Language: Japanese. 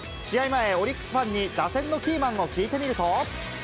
前、オリックスファンに打線のキーマンを聞いてみると。